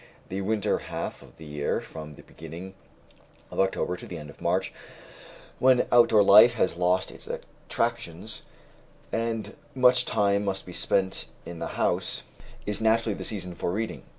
The winter half of the year (from the beginning of October to the end of March), when outdoor life has lost its attractions, and much time must be spent in the house, is naturally the season for reading.